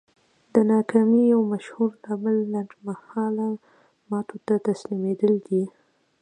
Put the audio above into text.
د ناکامۍ يو مشهور لامل لنډ مهاله ماتو ته تسليمېدل دي.